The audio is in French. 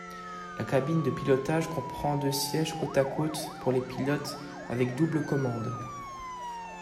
La cabine de pilotage comprend deux sièges côte-à-côte pour les pilotes, avec double commande.